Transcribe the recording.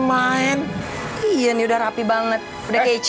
ya ini bered friend bahwa saya pilih iey